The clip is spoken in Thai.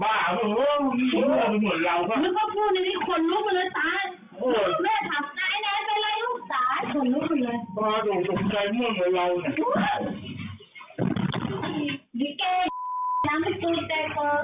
แม่แม่แม่แม่แม่แม่แม่แม่แม่แม่แม่แม่แม่แม่แม่